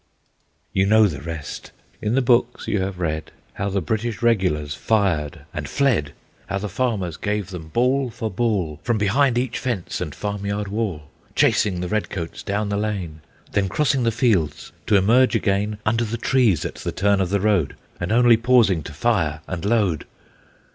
You know the rest. In the books you have read, How the British Regulars fired and fled, How the farmers gave them ball for ball, From behind each fence and farm yard wall, Chasing the red coats down the lane, Then crossing the fields to emerge again Under the trees at the turn of the road, And only pausing to fire and load.